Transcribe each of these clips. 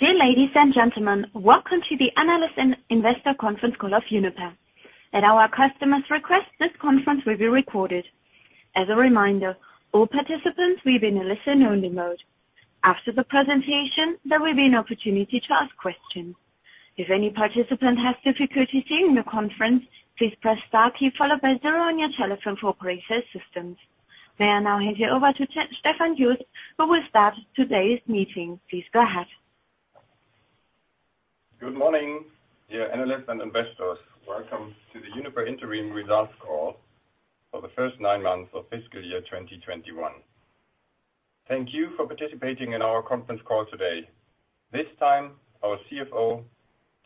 Dear ladies and gentlemen, welcome to the Analyst and Investor Conference call of Uniper. At our customer's request, this conference will be recorded. As a reminder, all participants will be in a listen-only mode. After the presentation, there will be an opportunity to ask questions. If any participant has difficulty hearing the conference, please press star key followed by zero on your telephone for operator assistance. May I now hand you over to Stefan Jost, who will start today's meeting. Please go ahead. Good morning, dear analysts and investors. Welcome to the Uniper interim results call for the first nine months of fiscal year 2021. Thank you for participating in our conference call today. This time, our CFO,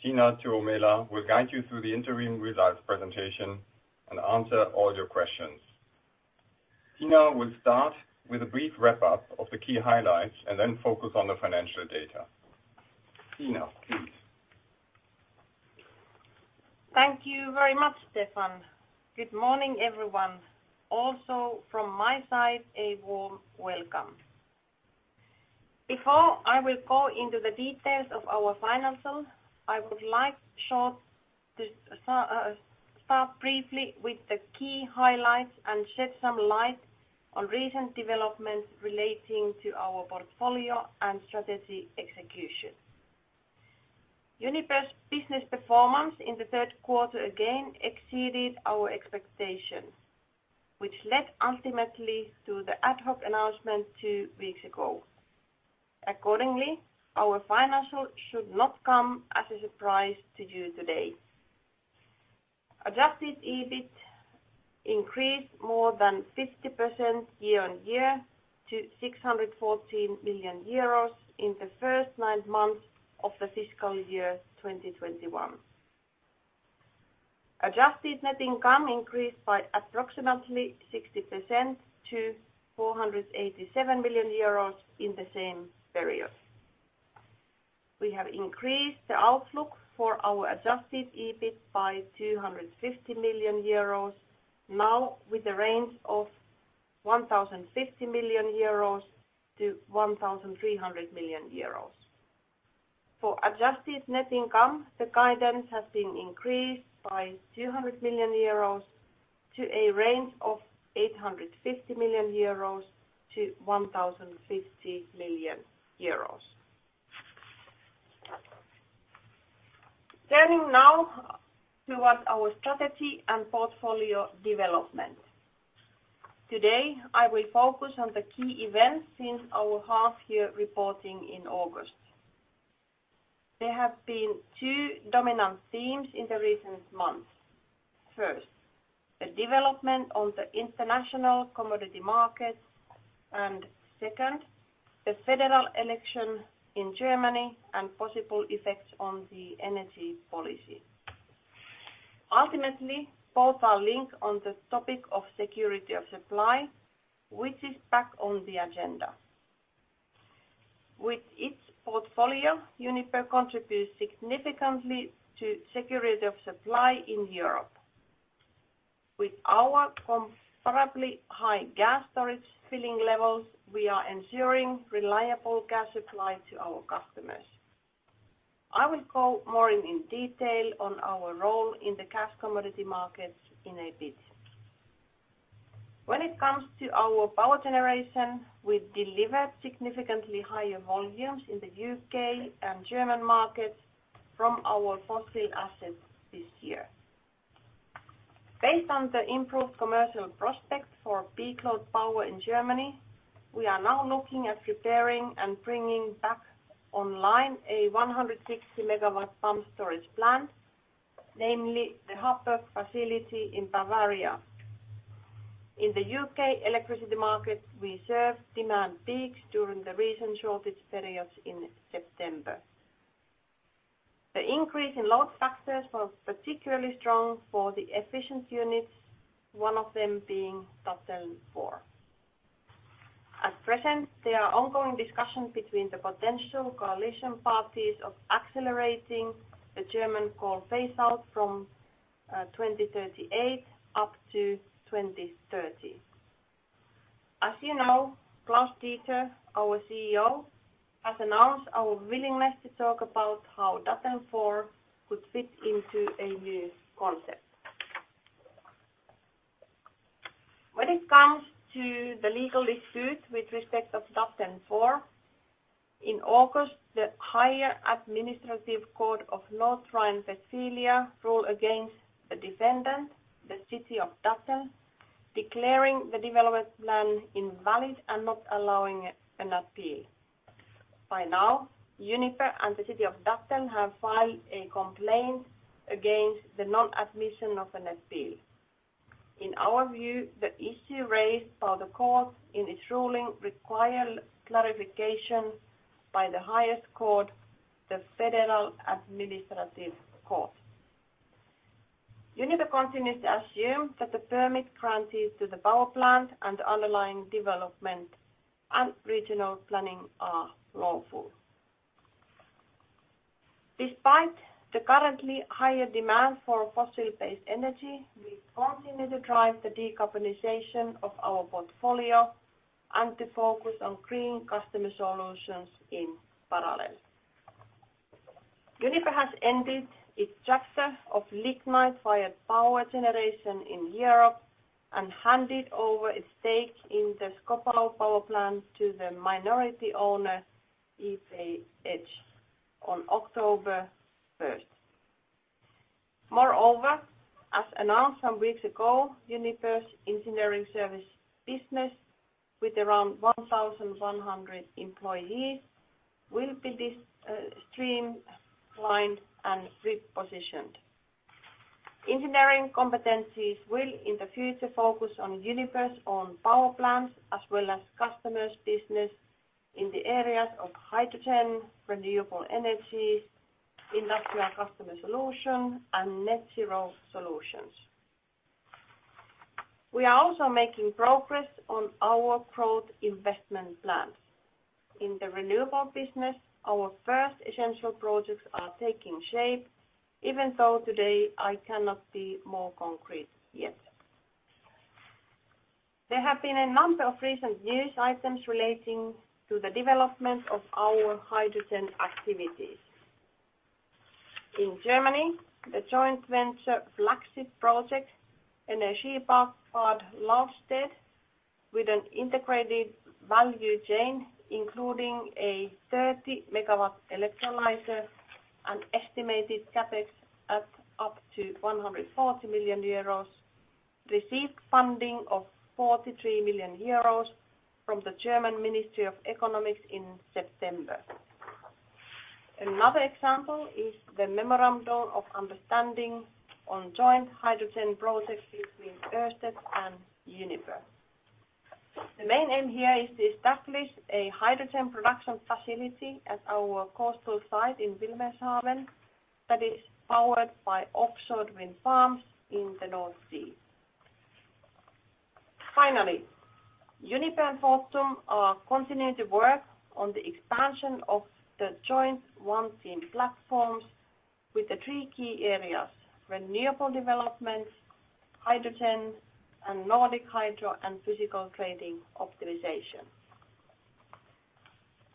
Tiina Tuomela, will guide you through the interim results presentation and answer all your questions. Tiina will start with a brief wrap up of the key highlights, and then focus on the financial data. Tiina, please. Thank you very much, Stefan. Good morning, everyone. Also from my side, a warm welcome. Before I will go into the details of our financials, I would like shortly to start briefly with the key highlights, and shed some light on recent developments relating to our portfolio and strategy execution. Uniper's business performance in the third quarter again exceeded our expectations, which led ultimately to the ad hoc announcement two weeks ago. Accordingly, our financials should not come as a surprise to you today. Adjusted EBIT increased more than 50% year-on-year to 614 million euros in the first nine months of the fiscal year 2021. Adjusted net income increased by approximately 60% to 487 million euros in the same period. We have increased the outlook for our adjusted EBIT by 250 million euros, now with a range of 1,050 million-1,300 million euros. For adjusted net income, the guidance has been increased by 200 million euros to a range of 850 million-1,050 million euros. Turning now towards our strategy and portfolio development. Today, I will focus on the key events since our half year reporting in August. There have been two dominant themes in the recent months. First, the development of the international commodity markets, and second, the federal election in Germany and possible effects on the energy policy. Ultimately, both are linked on the topic of security of supply, which is back on the agenda. With its portfolio, Uniper contributes significantly to security of supply in Europe. With our comparably high gas storage filling levels, we are ensuring reliable gas supply to our customers. I will go more in detail on our role in the gas commodity markets in a bit. When it comes to our power generation, we've delivered significantly higher volumes in the U.K. and German markets from our fossil assets this year. Based on the improved commercial prospects for peak load power in Germany, we are now looking at repairing and bringing back online a 160 MW pumped storage plant, namely the Happurg facility in Bavaria. In the U.K. electricity market, we served demand peaks during the recent shortage periods in September. The increase in load factors was particularly strong for the efficient units, one of them being Datteln 4. At present, there are ongoing discussions between the potential coalition parties of accelerating the German coal phase-out from 2038 up to 2030. As you know, Klaus-Dieter, our CEO, has announced our willingness to talk about how Datteln 4 could fit into a new concept. When it comes to the legal dispute with respect of Datteln 4, in August, the Higher Administrative Court of North Rhine-Westphalia ruled against the defendant, the City of Datteln, declaring the development plan invalid and not allowing an appeal. By now, Uniper and the City of Datteln have filed a complaint against the non-admission of an appeal. In our view, the issue raised by the court in its ruling require clarification by the highest court, the Federal Administrative Court. Uniper continues to assume that the permit granted to the power plant and underlying development and regional planning are lawful. Despite the currently higher demand for fossil-based energy, we continue to drive the decarbonization of our portfolio, and to focus on creating customer solutions in parallel. Uniper has ended its chapter of lignite-fired power generation in Europe, and handed over a stake in the Schkopau power plant to the minority owner, EPH, on October 1. Moreover, as announced some weeks ago, Uniper's engineering service business, with around 1,100 employees, will be streamlined and repositioned. Engineering competencies will, in the future, focus on Uniper's own power plants, as well as customers' business in the areas of hydrogen, renewable energy, industrial customer solution, and net zero solutions. We are also making progress on our product investment plans. In the renewable business, our first essential projects are taking shape, even though today I cannot be more concrete yet. There have been a number of recent news items relating to the development of our hydrogen activities. In Germany, the joint venture flagship project, Energiepark Bad Lauchstädt, with an integrated value chain, including a 30 MW electrolyzer, an estimated CapEx at up to 140 million euros, received funding of 43 million euros from the German Ministry of Economics in September. Another example is the memorandum of understanding on joint hydrogen projects between Ørsted and Uniper. The main aim here is to establish a hydrogen production facility at our coastal site in Wilhelmshaven that is powered by offshore wind farms in the North Sea. Finally, Uniper and Fortum are continuing to work on the expansion of the joint OneTeam platforms with the three key areas, renewable developments, hydrogen, and Nordic hydro and physical trading optimization.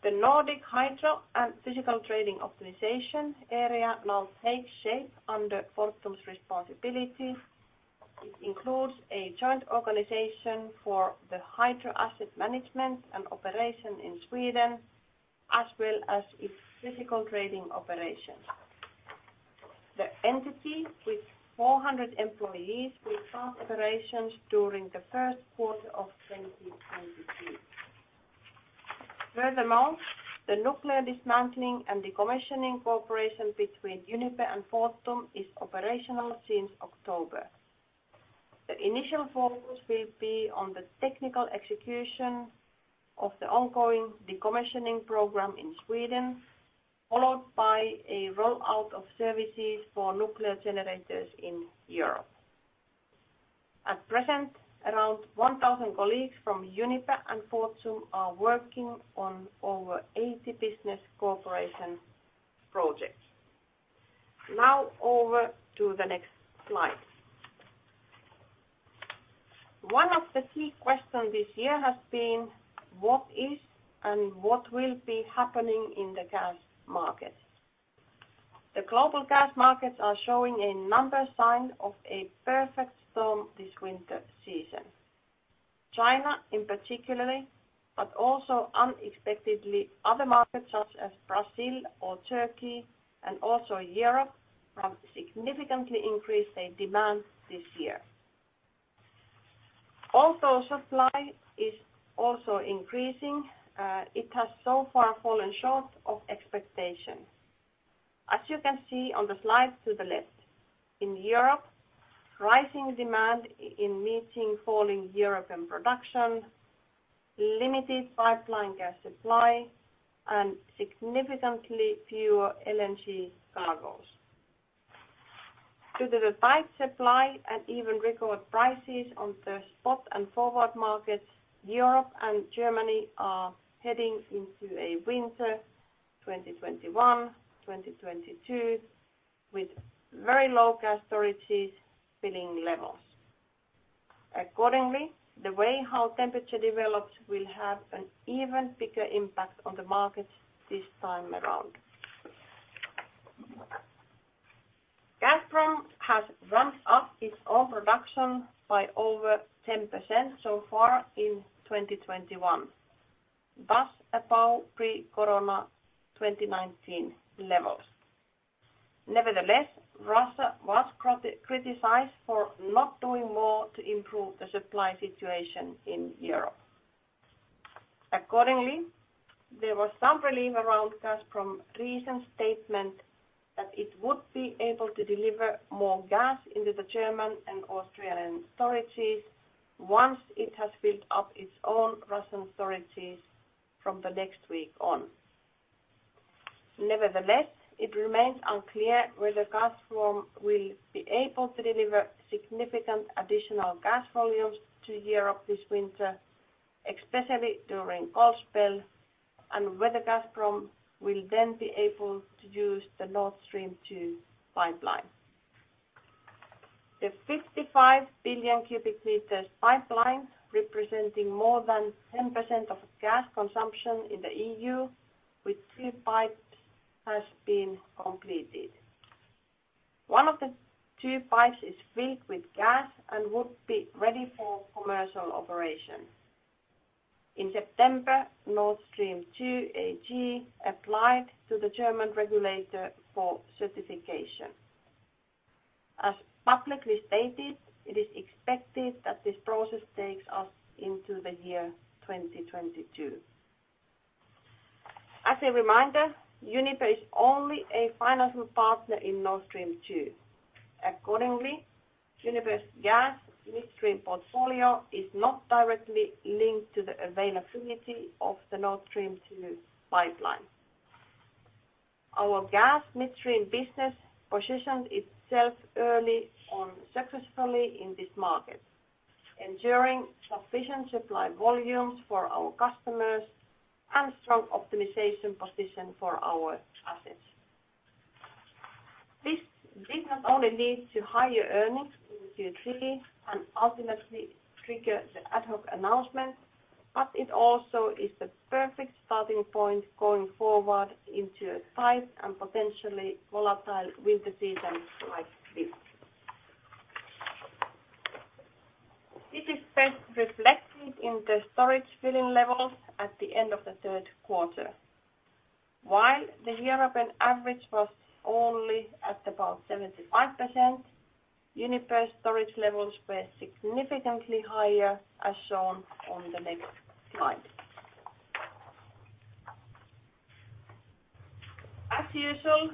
The Nordic hydro and physical trading optimization area now takes shape under Fortum's responsibility. It includes a joint organization for the hydro asset management and operation in Sweden, as well as its physical trading operations. The entity, with 400 employees, will start operations during the first quarter of 2022. Furthermore, the nuclear dismantling and decommissioning cooperation between Uniper and Fortum is operational since October. The initial focus will be on the technical execution of the ongoing decommissioning program in Sweden, followed by a rollout of services for nuclear generators in Europe. At present, around 1,000 colleagues from Uniper and Fortum are working on over 80 business cooperation projects. Now, over to the next slide. One of the key questions this year has been what is and what will be happening in the gas markets. The global gas markets are showing a number of signs of a perfect storm this winter season. China, in particular, but also unexpectedly other markets such as Brazil or Turkey, and also Europe, have significantly increased their demand this year. Although supply is also increasing, it has so far fallen short of expectations. As you can see on the slide to the left, in Europe, rising demand meeting falling European production, limited pipeline gas supply, and significantly fewer LNG cargoes. Due to the tight supply and even record prices on the spot and forward markets, Europe and Germany are heading into a winter 2021/2022, with very low gas storage filling levels. Accordingly, the way how temperature develops will have an even bigger impact on the markets this time around. Gazprom has ramped up its own production by over 10% so far in 2021, thus above pre-corona 2019 levels. Nevertheless, Russia was criticized for not doing more to improve the supply situation in Europe. Accordingly, there was some relief around Gazprom's recent statement that it would be able to deliver more gas into the German and Austrian storages once it has built up its own Russian storages from the next week on. Nevertheless, it remains unclear whether Gazprom will be able to deliver significant additional gas volumes to Europe this winter, especially during cold spell, and whether Gazprom will then be able to use the Nord Stream 2 pipeline. The 55 billion cubic meters pipeline, representing more than 10% of gas consumption in the EU, with three pipes, has been completed. One of the two pipes is filled with gas and would be ready for commercial operation. In September, Nord Stream 2 AG applied to the German regulator for certification. As publicly stated, it is expected that this process takes us into the year 2022. As a reminder, Uniper is only a financial partner in Nord Stream 2. Accordingly, Uniper's gas midstream portfolio is not directly linked to the availability of the Nord Stream 2 pipeline. Our gas midstream business positioned itself early on successfully in this market, ensuring sufficient supply volumes for our customers and strong optimization position for our assets. This did not only lead to higher earnings in Q3, and ultimately trigger the ad hoc announcement, but it also is the perfect starting point going forward into a tight and potentially volatile winter season like this. This is best reflected in the storage filling levels at the end of the third quarter. While the European average was only at about 75%, Uniper storage levels were significantly higher, as shown on the next slide. As usual,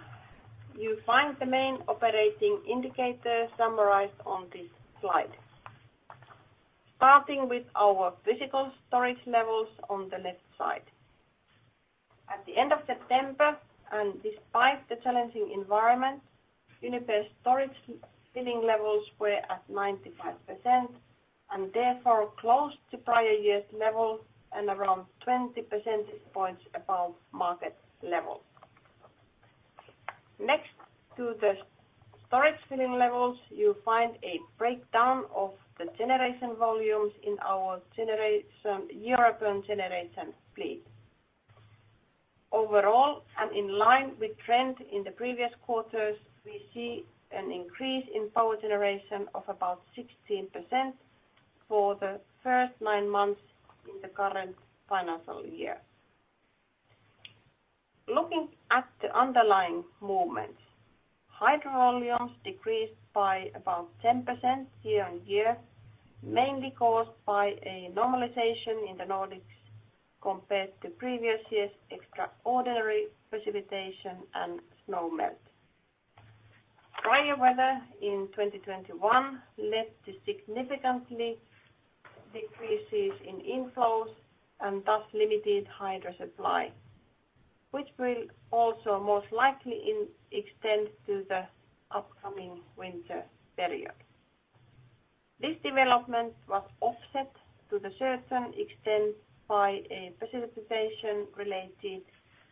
you find the main operating indicators summarized on this slide. Starting with our physical storage levels on the left side. At the end of September, and despite the challenging environment, Uniper's storage filling levels were at 95%, and therefore close to prior year's levels and around 20 percentage points above market levels. Next to the storage filling levels, you'll find a breakdown of the generation volumes in our generation, European generation fleet. Overall, in line with trend in the previous quarters, we see an increase in power generation of about 16% for the first nine months in the current financial year. Looking at the underlying movements, hydro volumes decreased by about 10% year-on-year, mainly caused by a normalization in the Nordics compared to previous years' extraordinary precipitation and snow melt. Prior weather in 2021 led to significant decreases in inflows and thus limited hydro supply, which will also most likely extend to the upcoming winter period. This development was offset to a certain extent by a precipitation-related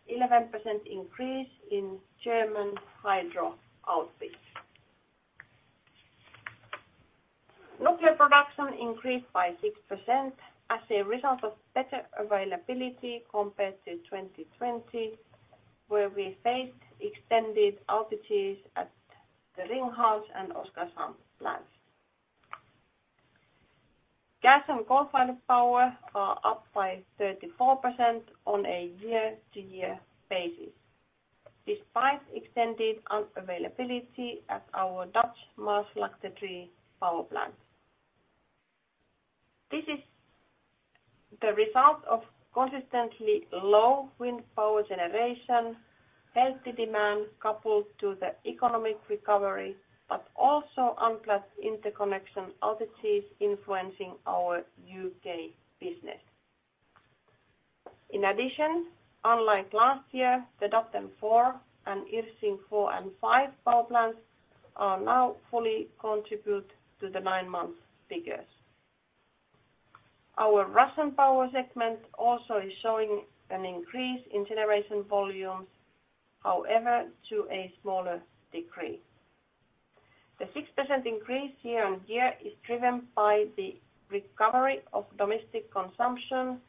11% increase in German hydro output. Nuclear production increased by 6% as a result of better availability compared to 2020, where we faced extended outages at the Ringhals and Oskarshamn plants. Gas and coal-fired power are up by 34% on a year-over-year basis, despite extended unavailability at our Dutch Maasvlakte 3 power plant. This is the result of consistently low wind power generation, healthy demand coupled to the economic recovery, but also unplanned interconnection outages influencing our UK business. In addition, unlike last year, the Datteln 4 and Irsching 4 and 5 power plants are now fully contribute to the nine month figures. Our Russian power segment also is showing an increase in generation volumes, however, to a smaller degree. The 6% increase year-over-year is driven by the recovery of domestic consumption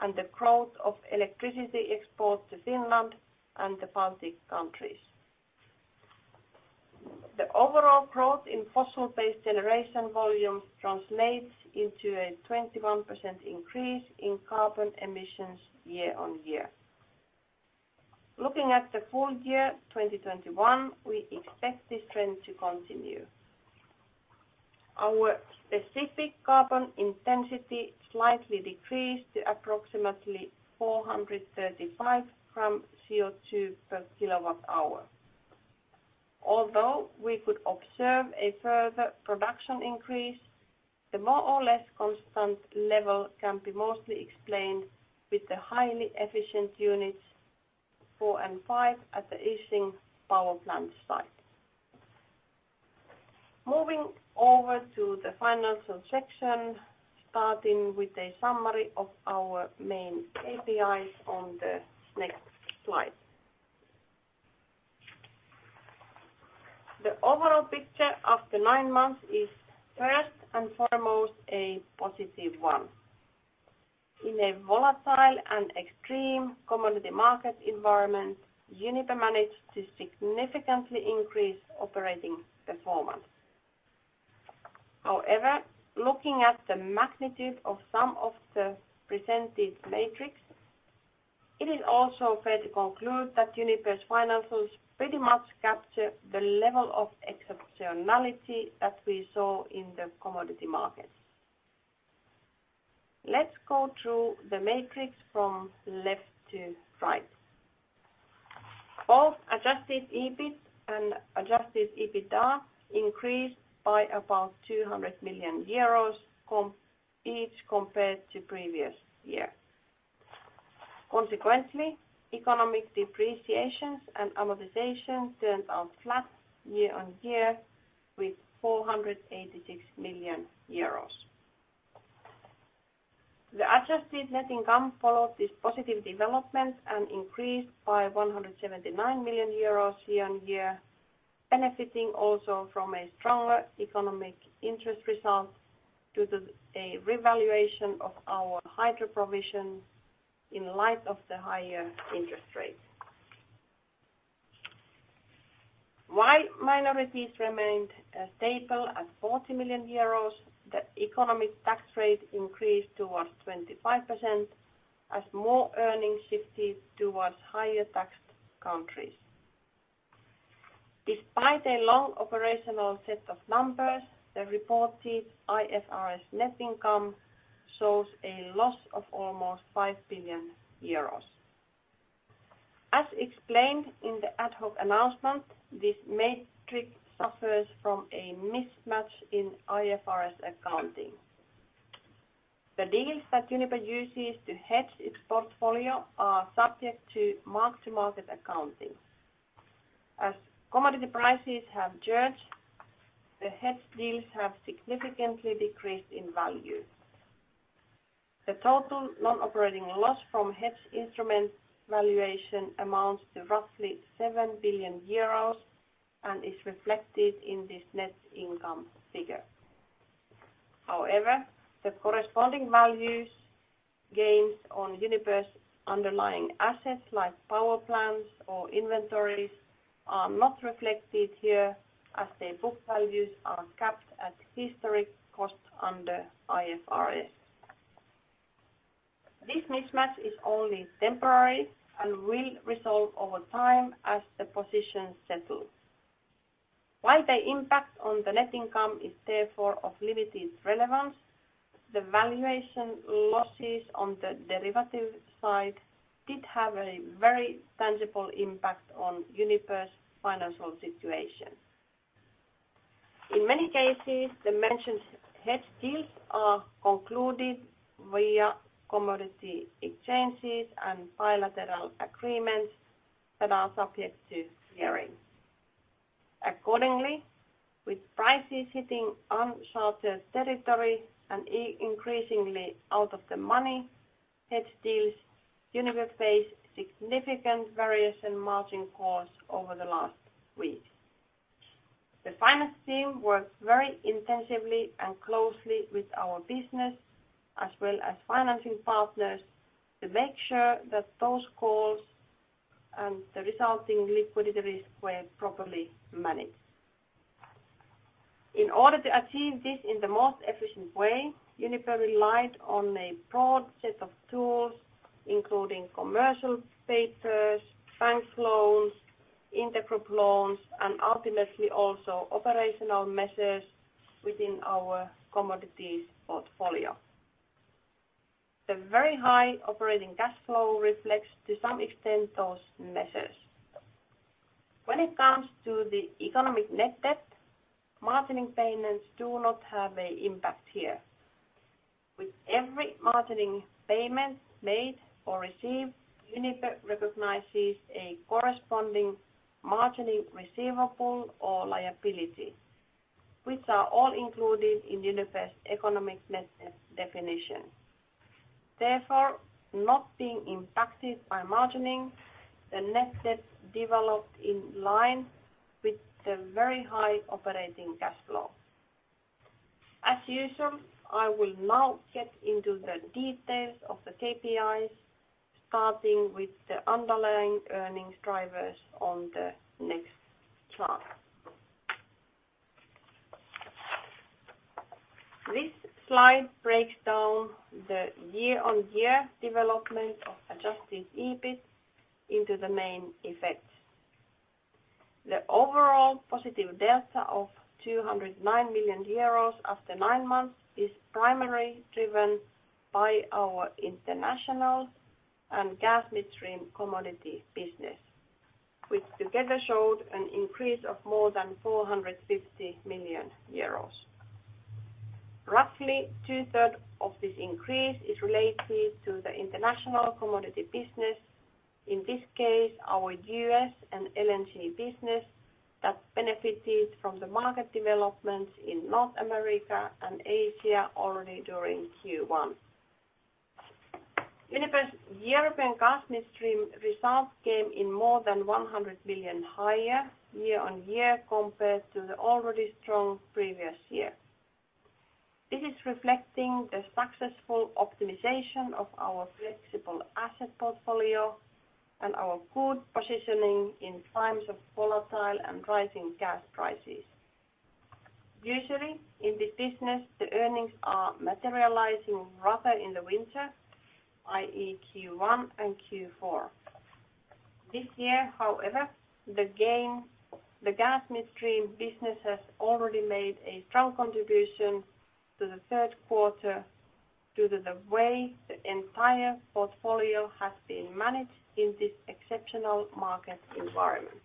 and the growth of electricity export to Finland and the Baltic countries. The overall growth in fossil-based generation volumes translates into a 21% increase in carbon emissions year-over-year. Looking at the full year 2021, we expect this trend to continue. Our specific carbon intensity slightly decreased to approximately 435 g CO2 per kWh. Although we could observe a further production increase, the more or less constant level can be mostly explained with the highly efficient units 4 and 5 at the Irsching power plant site. Moving over to the financial section, starting with a summary of our main KPIs on the next slide. The overall picture of the nine months is first and foremost a positive one. In a volatile and extreme commodity market environment, Uniper managed to significantly increase operating performance. However, looking at the magnitude of some of the presented metrics, it is also fair to conclude that Uniper's financials pretty much capture the level of exceptionality that we saw in the commodity market. Let's go through the metrics from left to right. Both adjusted EBIT and adjusted EBITDA increased by about 200 million euros each compared to previous year. Consequently, depreciation and amortization turned out flat year-over-year with EUR 486 million. The adjusted net income followed this positive development and increased by 179 million euros year-over-year, benefiting also from a stronger economic interest result due to a revaluation of our hydro provision in light of the higher interest rates. While minorities remained stable at 40 million euros, the economic tax rate increased towards 25% as more earnings shifted towards higher taxed countries. Despite a long operational set of numbers, the reported IFRS net income shows a loss of almost 5 billion euros. As explained in the ad hoc announcement, this matter suffers from a mismatch in IFRS accounting. The deals that Uniper uses to hedge its portfolio are subject to mark-to-market accounting. As commodity prices have surged, the hedge deals have significantly decreased in value. The total non-operating loss from hedge instrument valuation amounts to roughly 7 billion euros and is reflected in this net income figure. However, the corresponding value gains on Uniper's underlying assets, like power plants or inventories, are not reflected here as their book values are capped at historic costs under IFRS. This mismatch is only temporary and will resolve over time as the position settles. While the impact on the net income is therefore of limited relevance, the valuation losses on the derivative side did have a very tangible impact on Uniper's financial situation. In many cases, the mentioned hedge deals are concluded via commodity exchanges and bilateral agreements that are subject to clearing. Accordingly, with prices hitting uncharted territory and increasingly out of the money hedge deals, Uniper faced significant variation margin calls over the last weeks. The finance team worked very intensively and closely with our business as well as financing partners to make sure that those calls and the resulting liquidity risk were properly managed. In order to achieve this in the most efficient way, Uniper relied on a broad set of tools, including commercial papers, bank loans, intergroup loans, and ultimately also operational measures within our commodities portfolio. The very high operating cash flow reflects, to some extent, those measures. When it comes to the economic net debt, margining payments do not have an impact here. With every margining payment made or received, Uniper recognizes a corresponding margining receivable or liability, which are all included in Uniper's economic net debt definition. Therefore, not being impacted by margining, the net debt developed in line with the very high operating cash flow. As usual, I will now get into the details of the KPIs, starting with the underlying earnings drivers on the next chart. This slide breaks down the year-on-year development of adjusted EBIT into the main effects. The overall positive delta of 209 million euros after nine months is primarily driven by our international and gas midstream commodity business, which together showed an increase of more than 450 million euros. Roughly two-thirds of this increase is related to the international commodity business, in this case, our U.S. and LNG business that benefited from the market developments in North America and Asia already during Q1. Uniper's European gas midstream results came in more than 100 million higher year-on-year compared to the already strong previous year. This is reflecting the successful optimization of our flexible asset portfolio and our good positioning in times of volatile and rising gas prices. Usually, in this business, the earnings are materializing rather in the winter, i.e., Q1 and Q4. This year, however, the gas midstream business has already made a strong contribution to the third quarter due to the way the entire portfolio has been managed in this exceptional market environment.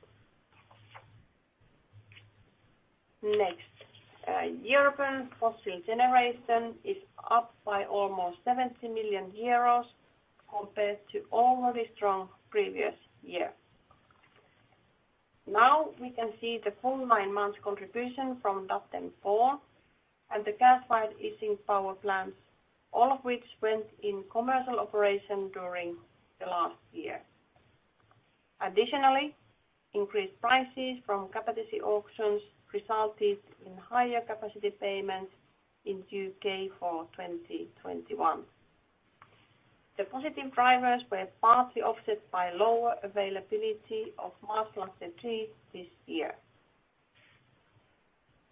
Next, European fossil generation is up by almost 70 million euros compared to the already strong previous year. Now we can see the full nine months contribution from Datteln 4 and the gas-fired Irsching power plants, all of which went into commercial operation during the last year. Increased prices from capacity auctions resulted in higher capacity payments in the U.K. for 2021. The positive drivers were partly offset by lower availability of Maasvlakte 3 this year.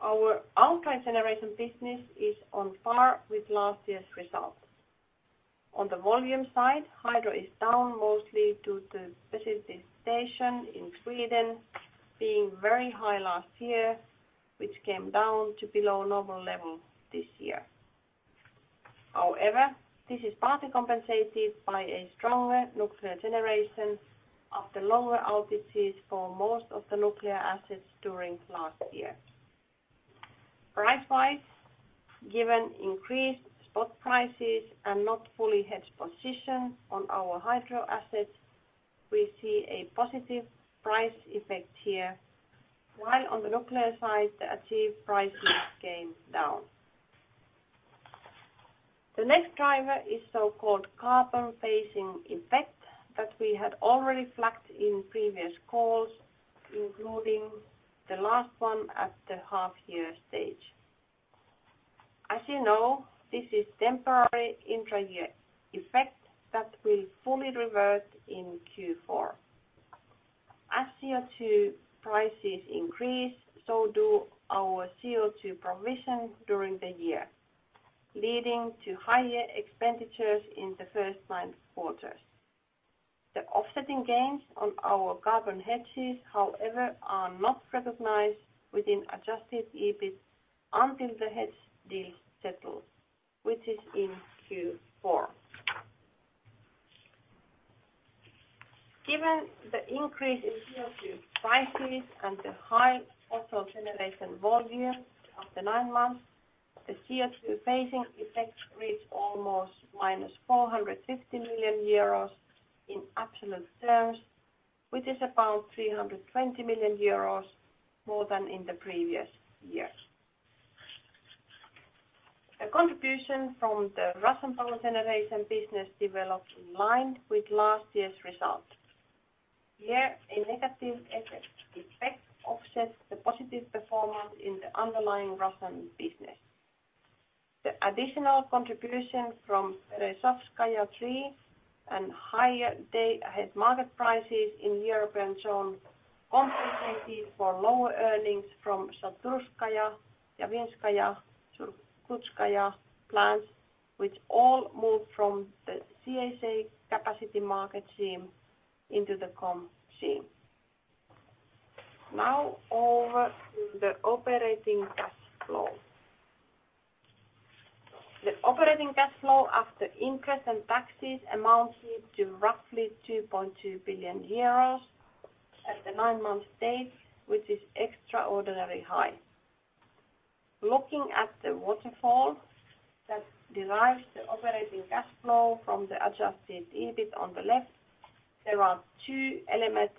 Our outright generation business is on par with last year's results. On the volume side, hydro is down mostly due to specific station in Sweden being very high last year, which came down to below normal levels this year. However, this is partly compensated by a stronger nuclear generation after lower outputs for most of the nuclear assets during last year. Price-wise, given increased spot prices and not fully hedged position on our hydro assets, we see a positive price effect here, while on the nuclear side, the achieved price mix came down. The next driver is so-called carbon pricing effect that we had already flagged in previous calls, including the last one at the half-year stage. As you know, this is temporary intra-year effect that will fully revert in Q4. As CO2 prices increase, so do our CO2 provisions during the year, leading to higher expenditures in the first nine months. The offsetting gains on our carbon hedges, however, are not recognized within adjusted EBIT until the hedge deal settles, which is in Q4. Given the increase in CO2 prices and the high total generation volume after nine months, the CO2 phasing effect reached almost 450 million euros in absolute terms, which is about 320 million euros more than in the previous year. The contribution from the Russian power generation business developed in line with last year's result. Here, a negative effect offsets the positive performance in the underlying Russian business. The additional contribution from Berezovskaya III and higher day-ahead market prices in European price zone compensated for lower earnings from Shaturskaya, Yaivinskaya, Surgutskaya plants, which all moved from the CSA capacity market scheme into the CM scheme. Now over to the operating cash flow. The operating cash flow after interest and taxes amounted to roughly 2.2 billion euros at the 9-month date, which is extraordinarily high. Looking at the waterfall that derives the operating cash flow from the adjusted EBIT on the left, there are two elements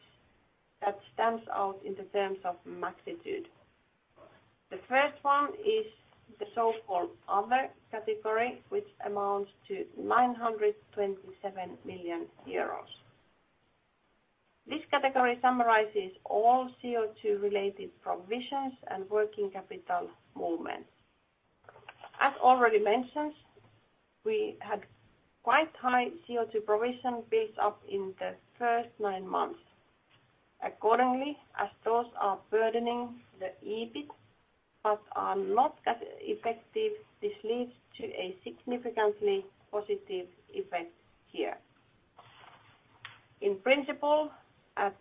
that stand out in terms of magnitude. The first one is the so-called other category, which amounts to 927 million euros. This category summarizes all CO2-related provisions and working capital movements. As already mentioned, we had quite high CO2 provision built up in the first nine months. Accordingly, as those are burdening the EBIT, but are not cash effective, this leads to a significantly positive effect here. In principle, at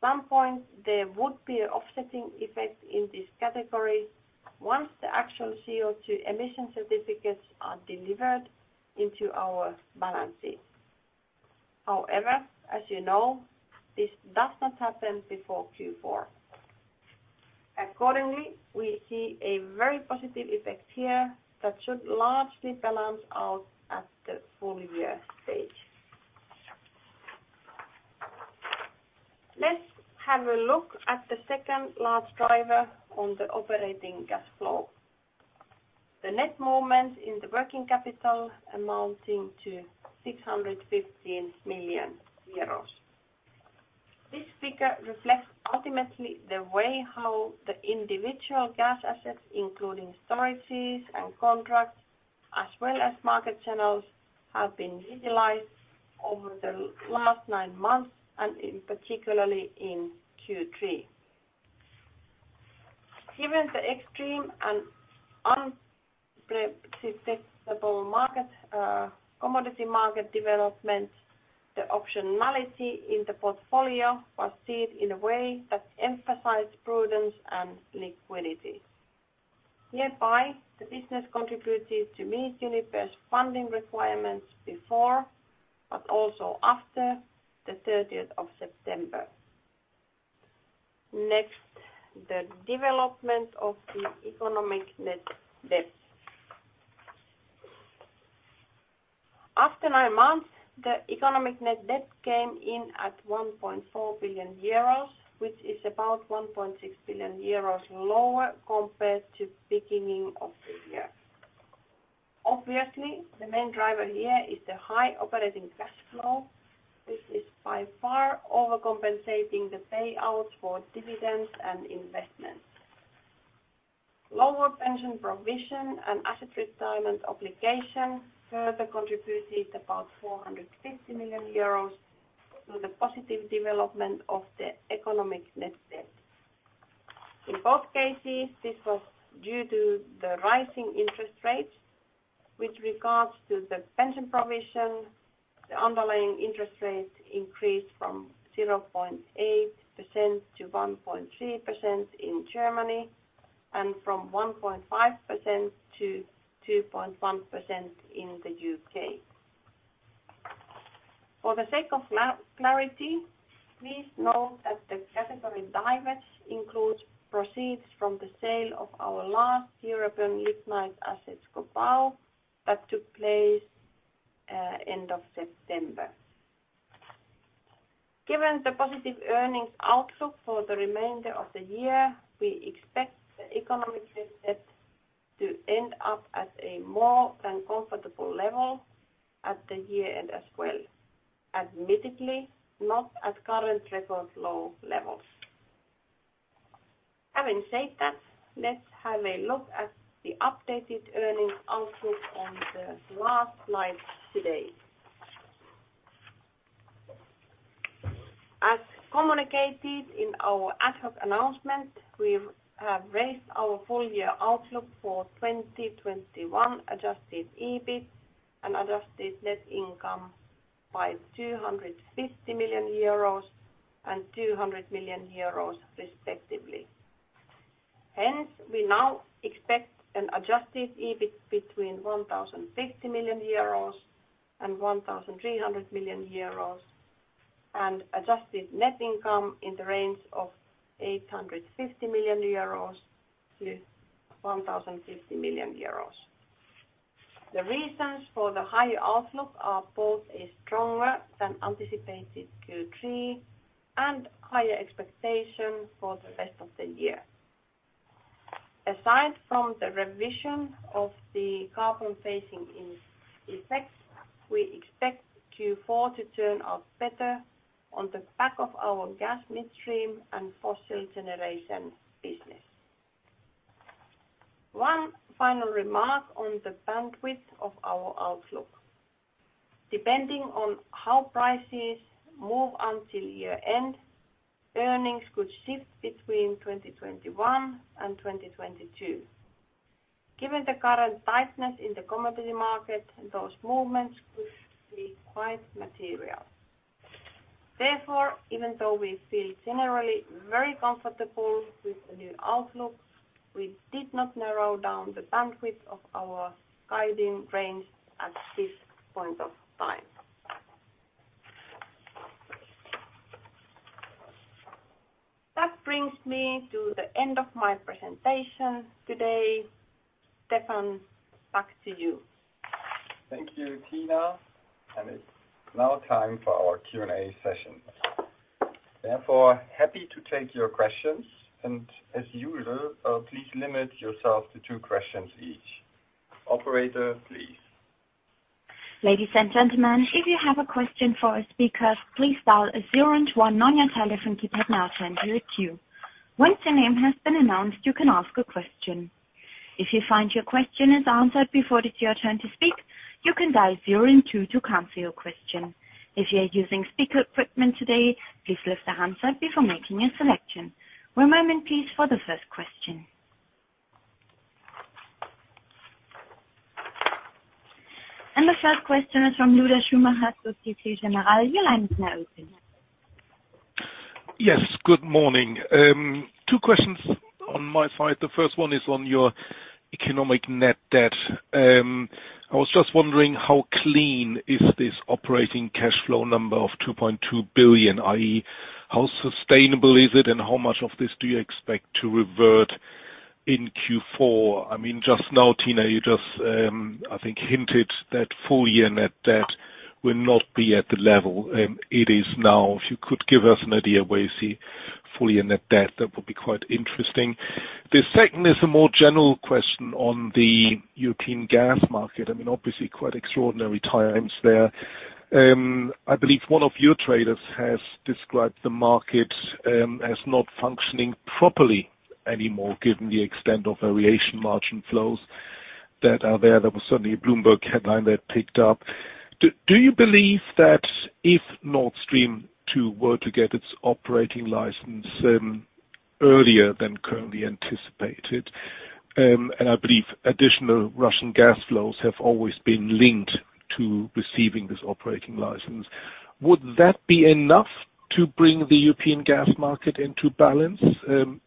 some point, there would be an offsetting effect in this category once the actual CO2 emission certificates are delivered into our balance sheet. However, as you know, this does not happen before Q4. Accordingly, we see a very positive effect here that should largely balance out at the full year stage. Let's have a look at the second large driver on the operating cash flow. The net movement in the working capital amounting to 615 million euros. This figure reflects ultimately the way how the individual gas assets, including storages and contracts, as well as market channels, have been utilized over the last nine months and particularly in Q3. Given the extreme and unpredictable market, commodity market development, the optionality in the portfolio was seen in a way that emphasized prudence and liquidity. Hereby, the business contributed to meet Uniper's funding requirements before, but also after the 30th of September. Next, the development of the economic net debt. After nine months, the economic net debt came in at 1.4 billion euros, which is about 1.6 billion euros lower compared to beginning of the year. Obviously, the main driver here is the high operating cash flow, which is by far overcompensating the payouts for dividends and investments. Lower pension provision and asset retirement obligation further contributed about 450 million euros to the positive development of the economic net debt. In both cases, this was due to the rising interest rates. With regards to the pension provision, the underlying interest rate increased from 0.8%-1.3% in Germany, and from 1.5% -2.1% in the U.K. For the sake of clarity, please note that the category, divestments, includes proceeds from the sale of our last European lignite asset, Schkopau, that took place end of September. Given the positive earnings outlook for the remainder of the year, we expect the economic net debt to end up at a more than comfortable level at the year-end as well, admittedly, not at current record low levels. Having said that, let's have a look at the updated earnings outlook on the last slide today. As communicated in our ad hoc announcement, we have raised our full-year outlook for 2021 adjusted EBIT and adjusted net income by 250 million euros and 200 million euros respectively. Hence, we now expect an adjusted EBIT between 1,050 million euros and 1,300 million euros, and adjusted net income in the range of 850 million euros to 1,050 million euros. The reasons for the higher outlook are both a stronger than anticipated Q3 and higher expectations for the rest of the year. Aside from the revision of the carbon pricing in effects, we expect Q4 to turn out better on the back of our gas midstream and fossil generation business. One final remark on the bandwidth of our outlook. Depending on how prices move until year-end, earnings could shift between 2021 and 2022. Given the current tightness in the commodity market, those movements could be quite material. Therefore, even though we feel generally very comfortable with the new outlook, we did not narrow down the bandwidth of our guiding range at this point of time. That brings me to the end of my presentation today. Stefan, back to you. Thank you, Tiina. It's now time for our Q&A session. Therefore, we're happy to take your questions, and as usual, please limit yourself to two questions each. Operator, please. Ladies and gentlemen, if you have a question for a speaker, please dial 0 and 1 on your telephone keypad now to enter a queue. Once your name has been announced, you can ask a question. If you find your question is answered before it is your turn to speak, you can dial 0 and 2 to cancel your question. If you are using speaker equipment today, please lift the handset before making a selection. One moment, please, for the first question. The first question is from Lueder Schumacher, Société Générale. Your line is now open. Yes, good morning. Two questions on my side. The first one is on your economic net debt. I was just wondering how clean is this operating cash flow number of 2.2 billion, i.e. how sustainable is it, and how much of this do you expect to revert in Q4? I mean, just now, Tiina, you just, I think hinted that full year net debt will not be at the level it is now. If you could give us an idea where you see full year net debt, that would be quite interesting. The second is a more general question on the European gas market. I mean, obviously quite extraordinary times there. I believe one of your traders has described the market as not functioning properly anymore, given the extent of variation margin flows that are there. That was certainly a Bloomberg headline that picked up. Do you believe that if Nord Stream 2 were to get its operating license earlier than currently anticipated, and I believe additional Russian gas flows have always been linked to receiving this operating license, would that be enough to bring the European gas market into balance,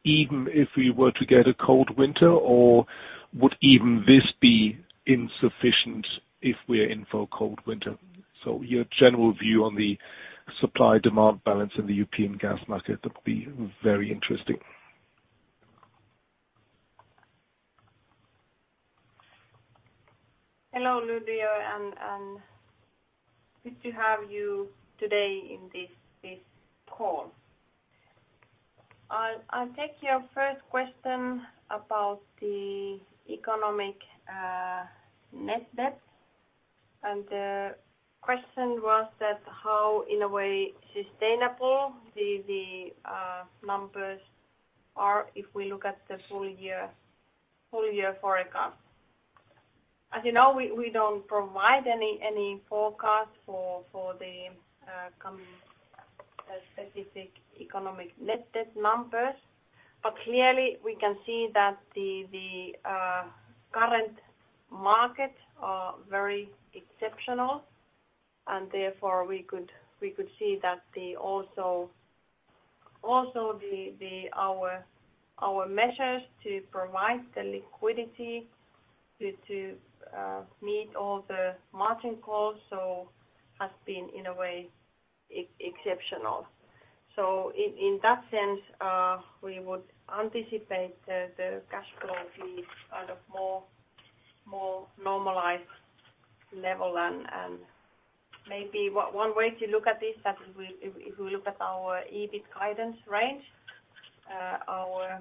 even if we were to get a cold winter? Or would even this be insufficient if we're in for a cold winter? Your general view on the supply-demand balance in the European gas market, that would be very interesting. Hello, Lueder, and good to have you today in this call. I'll take your first question about the economic net debt. The question was that how, in a way, sustainable the numbers are if we look at the full-year forecast. As you know, we don't provide any forecast for the coming specific economic net debt numbers. But clearly we can see that the current market are very exceptional, and therefore we could see that also the our measures to provide the liquidity to meet all the margin calls has been, in a way, exceptional. In that sense, we would anticipate the cash flow to be kind of more normalized level. Maybe one way to look at this is that if we look at our EBIT guidance range, our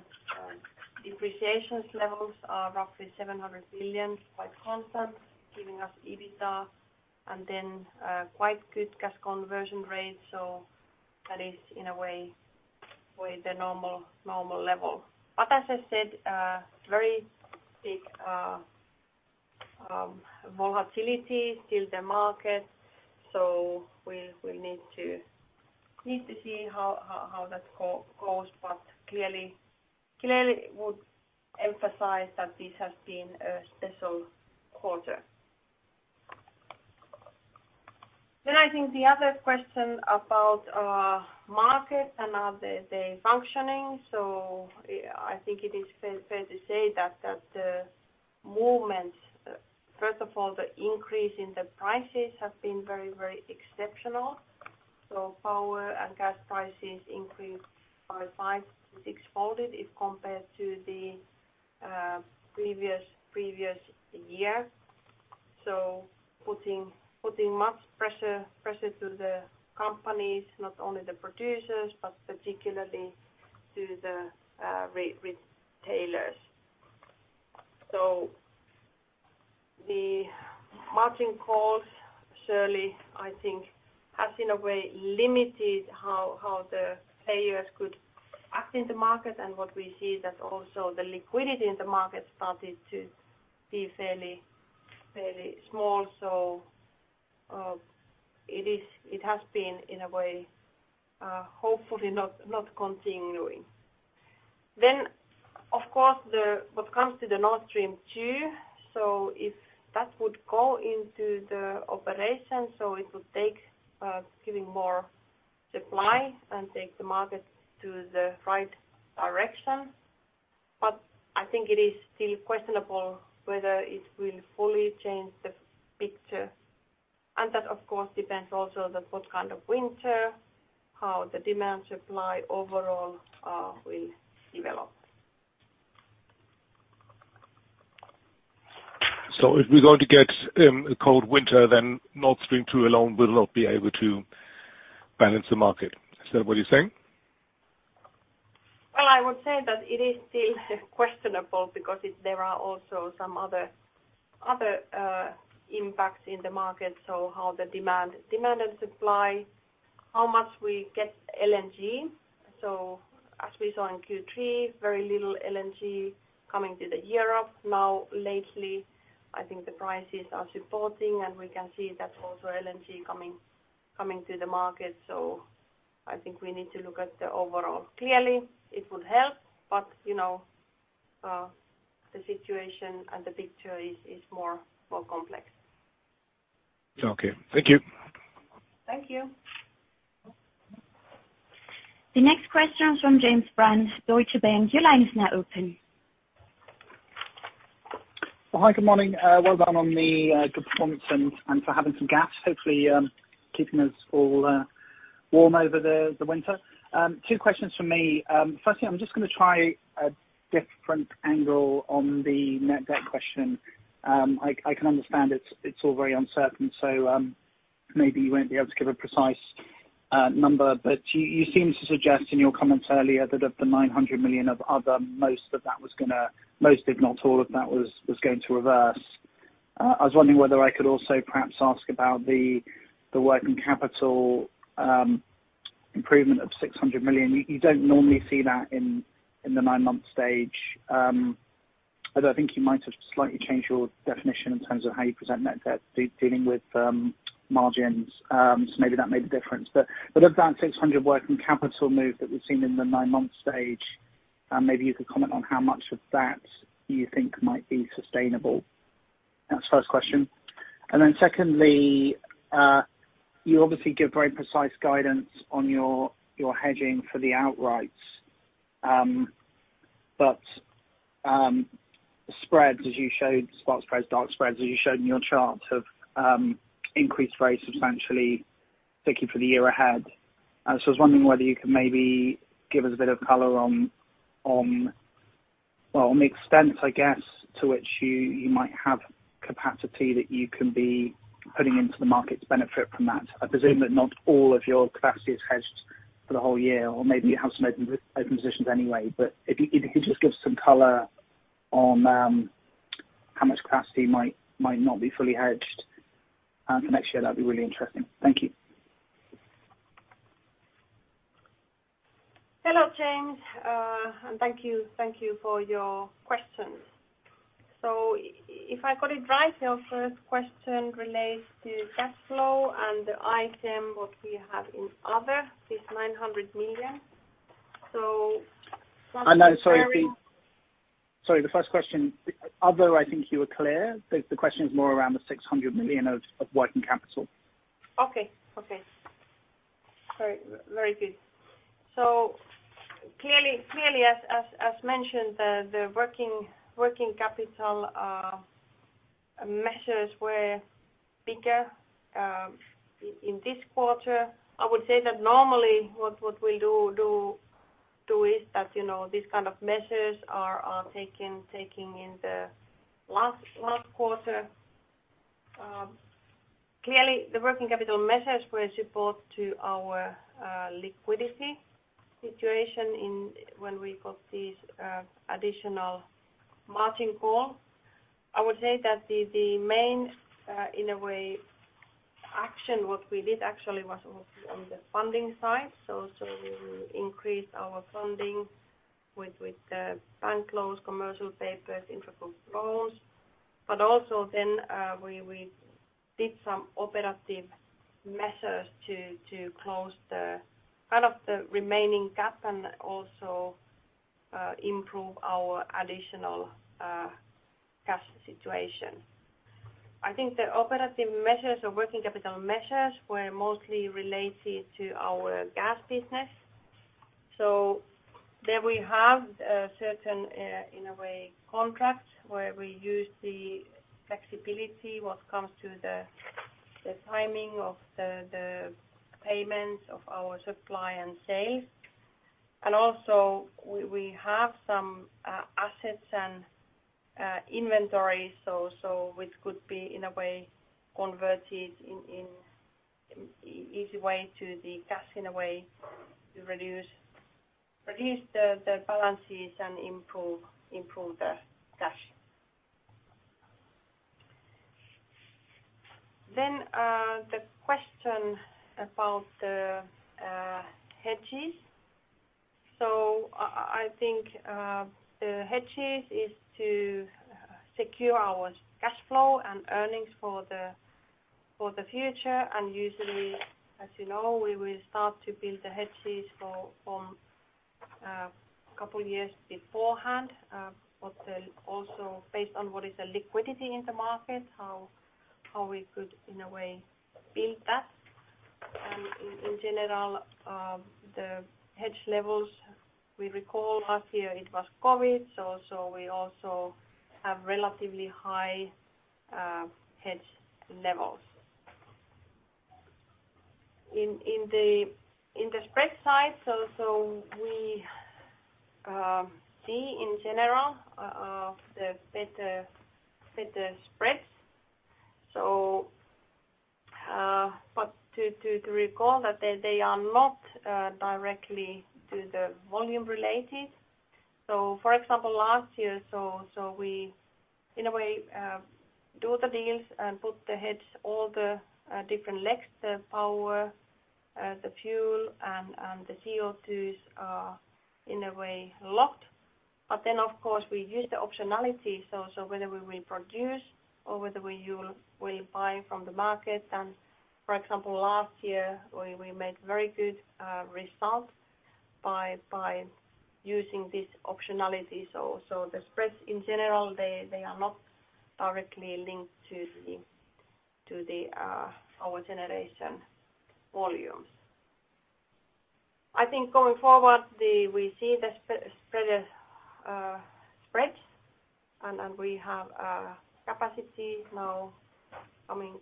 depreciation levels are roughly 700 million, quite constant, giving us EBITDA and then quite good cash conversion rate. That is, in a way, the normal level. As I said, very big volatility still in the market, so we'll need to see how that goes. Clearly would emphasize that this has been a special quarter. I think the other question about market and are they functioning. I think it is fair to say that the movement, first of all, the increase in the prices have been very exceptional. Power and gas prices increased five to six fold if compared to the previous year. Putting much pressure to the companies, not only the producers, but particularly to the retailers. The margin calls surely, I think, has, in a way, limited how the players could act in the market. What we see is that also the liquidity in the market started to be fairly small. It has been, in a way, hopefully not continuing. Of course, what comes to the Nord Stream 2, if that would go into the operation, it would take giving more supply and take the market to the right direction. I think it is still questionable whether it will fully change the picture. That of course depends also on what kind of winter, how the demand supply overall, will develop. If we're going to get a cold winter, then Nord Stream 2 alone will not be able to balance the market. Is that what you're saying? I would say that it is still questionable because there are also some other impacts in the market. How the demand and supply, how much we get LNG. As we saw in Q3, very little LNG coming to Europe now. Lately, I think the prices are supporting, and we can see that also LNG coming to the market, so I think we need to look at the overall. Clearly it would help, but you know the situation and the picture is more complex. Okay, thank you. Thank you. The next question is from James Brand, Deutsche Bank. Your line is now open. Well, hi, good morning. Well done on the good performance and for having some gas, hopefully, keeping us all warm over the winter. Two questions from me. Firstly, I'm just gonna try a different angle on the net debt question. I can understand it's all very uncertain, so maybe you won't be able to give a precise number. You seem to suggest in your comments earlier that of the 900 million of other, most, if not all of that, was going to reverse. I was wondering whether I could also perhaps ask about the working capital improvement of 600 million. You don't normally see that in the nine-month stage. Although I think you might have slightly changed your definition in terms of how you present net debt dealing with margins, so maybe that made a difference. Of that 600 working capital move that we've seen in the nine-month stage, maybe you could comment on how much of that you think might be sustainable. That's the first question. Secondly, you obviously give very precise guidance on your hedging for the outrights. The spreads, as you showed, spot spreads, dark spreads, as you showed in your chart, have increased very substantially, particularly for the year ahead. I was wondering whether you could maybe give us a bit of color on the extent, I guess, to which you might have capacity that you can be putting into the market to benefit from that. I presume that not all of your capacity is hedged for the whole year, or maybe you have some open positions anyway. If you could just give some color on how much capacity might not be fully hedged for next year, that'd be really interesting. Thank you. Hello, James. Thank you for your questions. If I got it right, your first question relates to cash flow and the item what we have in other, this 900 million. From this area- No, sorry. The first question, although I think you were clear, the question is more around the 600 million of working capital. Sorry. Very good. Clearly, as mentioned, the working capital measures were bigger in this quarter. I would say that normally what we'll do is that, you know, these kind of measures are taken in the last quarter. Clearly the working capital measures were a support to our liquidity situation when we got this additional margin call. I would say that the main, in a way, action what we did actually was mostly on the funding side. We increased our funding with bank loans, commercial paper, intragroup loans. Also then, we did some operative measures to close the kind of remaining gap and also improve our additional cash situation. I think the operating measures or working capital measures were mostly related to our gas business. There we have certain, in a way, contracts where we use the flexibility when it comes to the timing of the payments of our supply and sales. Also we have some assets and inventory, so which could be in a way converted in easy way to the cash in a way to reduce the balances and improve the cash. The question about the hedges. I think the hedges is to secure our cash flow and earnings for the future. Usually, as you know, we will start to build the hedges for from a couple years beforehand, but then also based on what is the liquidity in the market, how we could, in a way, build that. In general, the hedge levels, we recall last year it was COVID, so we also have relatively high hedge levels. In the spread side, so we see in general the better spreads. But to recall that they are not directly to the volume related. For example, last year, so we in a way do the deals and put the hedge all the different legs, the power, the fuel and the CO2s are in a way locked. Of course we use the optionality, whether we will produce or whether we will buy from the market. For example, last year, we made very good result by using these optionalities or so the spreads in general, they are not directly linked to our generation volumes. I think going forward, we see the spread spreads and we have capacity now coming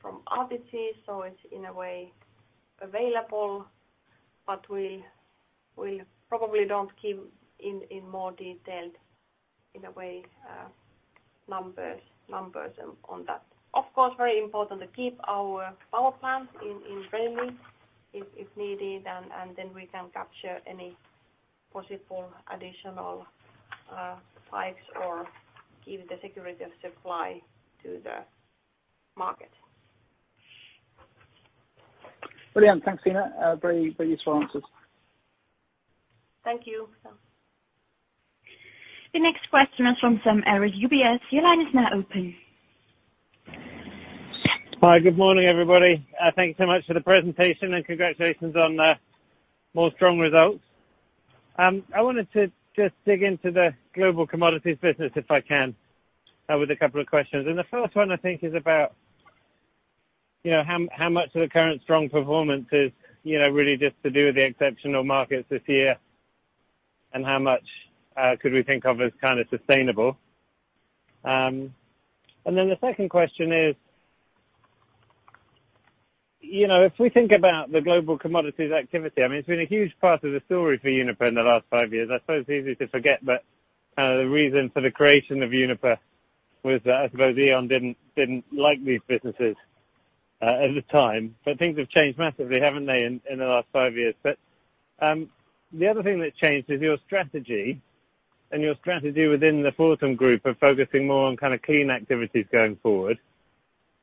from RtC, so it's in a way available, but we probably don't give more detailed, in a way, numbers on that. Of course, very important to keep our power plant in friendly if needed, and then we can capture any possible additional spikes or give the security of supply to the market. Brilliant. Thanks, Tiina. Very, very useful answers. Thank you. The next question is from Sam Arie, UBS. Your line is now open. Hi. Good morning, everybody. Thank you so much for the presentation and congratulations on the more strong results. I wanted to just dig into the global commodities business, if I can, with a couple of questions. The first one, I think, is about, you know, how much of the current strong performance is, you know, really just to do with the exceptional markets this year, and how much could we think of as kind of sustainable? The second question is, you know, if we think about the global commodities activity, I mean, it's been a huge part of the story for Uniper in the last five years. I suppose it's easy to forget, but the reason for the creation of Uniper was that I suppose E.ON didn't like these businesses at the time. Things have changed massively, haven't they, in the last five years. The other thing that changed is your strategy and your strategy within the Fortum group of focusing more on kind of clean activities going forward.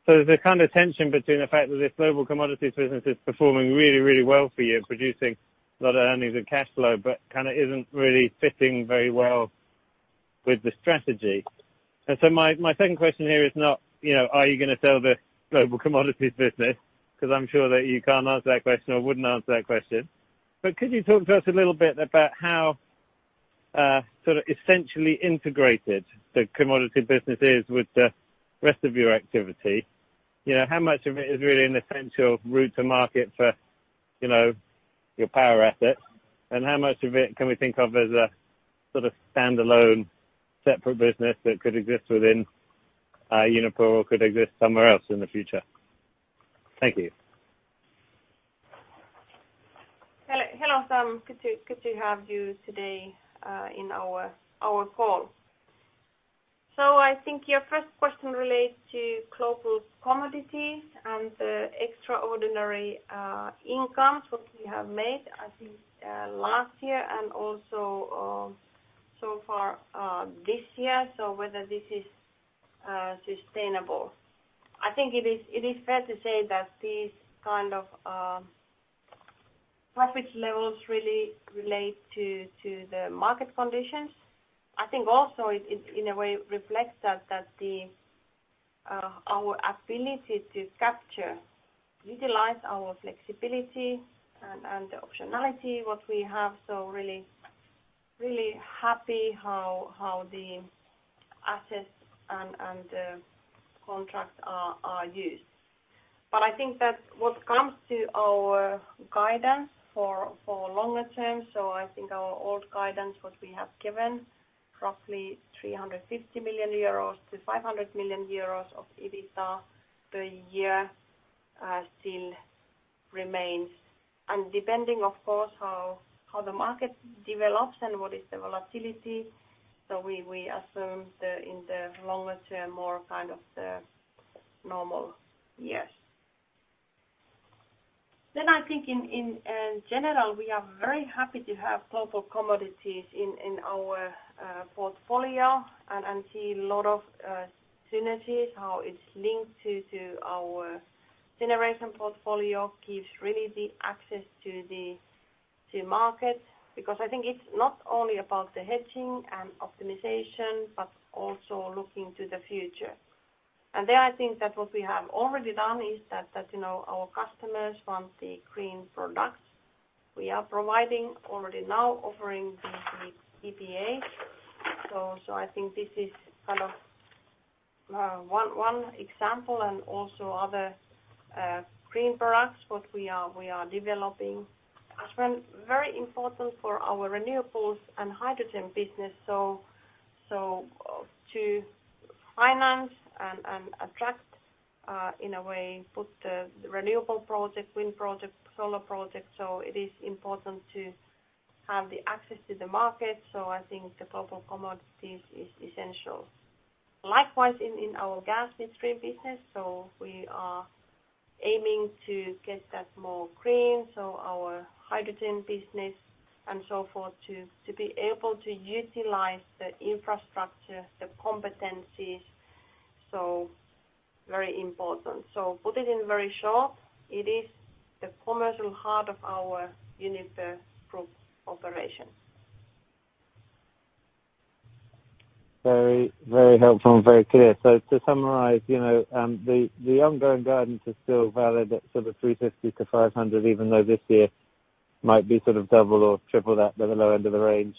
There's a kind of tension between the fact that this global commodities business is performing really, really well for you, producing a lot of earnings and cash flow, but kinda isn't really fitting very well with the strategy. My second question here is not, you know, are you gonna sell the global commodities business? 'Cause I'm sure that you can't answer that question or wouldn't answer that question. Could you talk to us a little bit about how sort of essentially integrated the commodity business is with the rest of your activity? You know, how much of it is really an essential route to market for, you know, your power assets, and how much of it can we think of as a sort of standalone, separate business that could exist within Uniper or could exist somewhere else in the future? Thank you. Hello, Sam. Good to have you today in our call. I think your first question relates to global commodities and the extraordinary income what we have made, I think, last year and also so far this year. Whether this is sustainable. I think it is fair to say that these kind of profit levels really relate to the market conditions. I think also it in a way reflects that the our ability to capture, utilize our flexibility and the optionality what we have, really happy how the assets and the contracts are used. I think that what comes to our guidance for longer term. I think our old guidance, what we have given, roughly 350 million-500 million euros of EBITDA per year, still remains. Depending, of course, how the market develops and what is the volatility, so we assume in the longer term, more kind of the normal years. I think in general, we are very happy to have global commodities in our portfolio and see a lot of synergies, how it's linked to our generation portfolio, gives really the access to the market, because I think it's not only about the hedging and optimization, but also looking to the future. There, I think that what we have already done is that, you know, our customers want the green products. We are providing already now offering the PPA. I think this is kind of one example and also other green products what we are developing. As well, very important for our renewables and hydrogen business, so to finance and attract, in a way, put the renewable project, wind project, solar project, so it is important to have the access to the market. I think the global commodities is essential. Likewise, in our gas midstream business, so we are aiming to get that more green, so our hydrogen business and so forth, to be able to utilize the infrastructure, the competencies, so very important. To put it very shortly, it is the commercial heart of our Uniper group operation. Very, very helpful and very clear. To summarize, you know, the ongoing guidance is still valid at sort of 350-500, even though this year might be sort of double or triple that at the low end of the range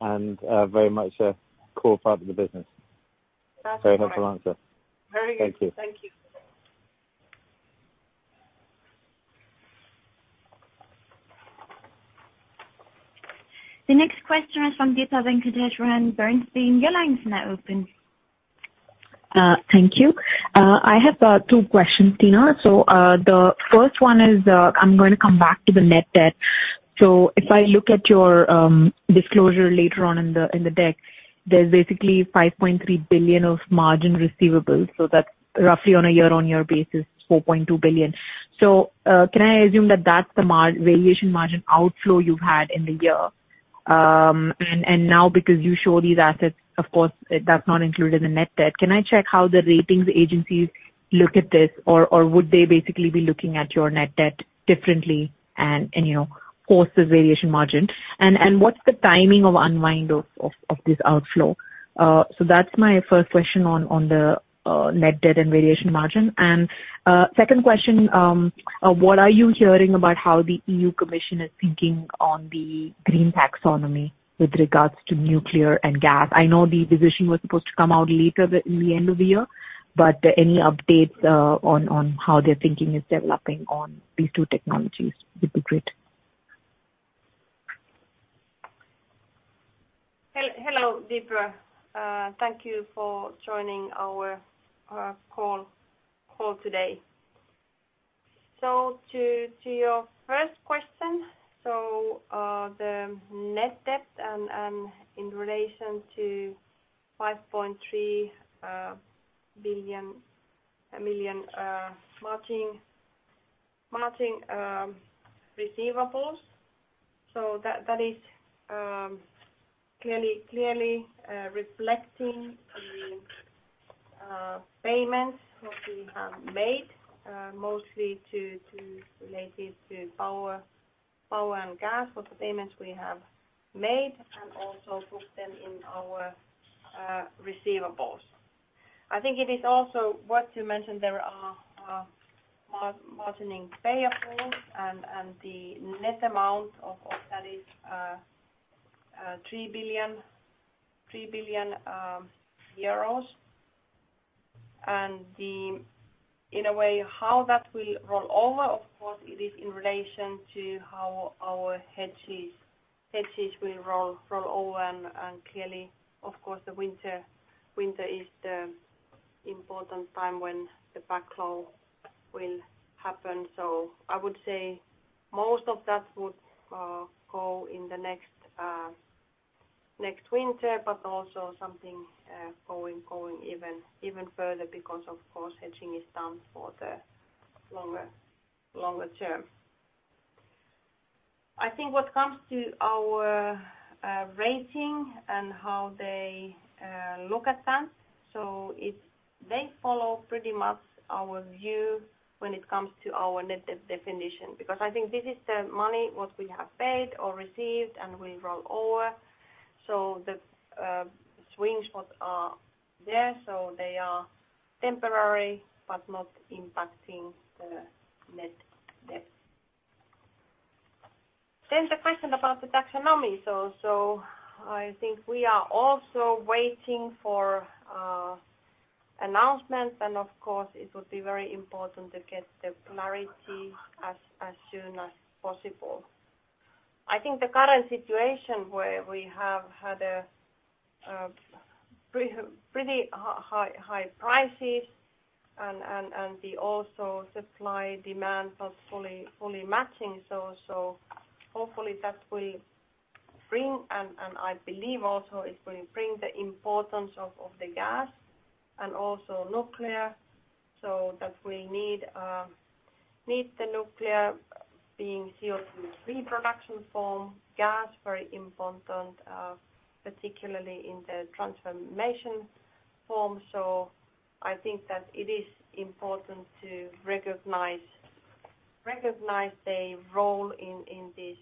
and, very much a core part of the business. That's right. Very helpful answer. Very good. Thank you. Thank you. The next question is from Deepa Venkateswaran, Bernstein. Your line is now open. Thank you. I have two questions, Tiina. The first one is, I'm going to come back to the net debt. If I look at your disclosure later on in the deck, there's basically 5.3 billion of margin receivables. That's roughly on a year-on-year basis, 4.2 billion. Can I assume that that's the variation margin outflow you've had in the year? And now because you show these assets, of course, that's not included in the net debt. Can I check how the ratings agencies look at this? Or would they basically be looking at your net debt differently and, you know, force the variation margin? What's the timing of unwind of this outflow? That's my first question on the net debt and variation margin. Second question, what are you hearing about how the EU Commission is thinking on the EU Taxonomy with regards to nuclear and gas? I know the decision was supposed to come out later in the end of the year, but any updates on how their thinking is developing on these two technologies would be great. Hello, Deepa. Thank you for joining our call today. To your first question, the net debt and in relation to EUR 5.3 billion margin receivables. That is clearly reflecting the payments what we have made, mostly related to power and gas, and also book them in our receivables. I think it is also worth to mention there are margining payables and the net amount of that is EUR 3 billion. In a way, how that will roll over, of course, it is in relation to how our hedges will roll over. Clearly, of course, the winter is the important time when the backlog will happen. I would say most of that would go in the next winter, but also something going even further because of course hedging is done for the longer term. I think what comes to our rating and how they look at that, they follow pretty much our view when it comes to our net debt definition, because I think this is the money what we have paid or received and will roll over. The swings what are there, they are temporary, but not impacting the net debt. The question about the taxonomy. I think we are also waiting for announcements, and of course it would be very important to get the clarity as soon as possible. I think the current situation where we have had a pretty high prices and the supply demand also not fully matching. Hopefully that will bring, and I believe also it will bring the importance of the gas and also nuclear, so that we need the nuclear being CO2 free production form, gas very important, particularly in the transformation form. I think that it is important to recognize the role in this